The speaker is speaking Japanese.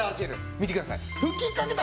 見てください！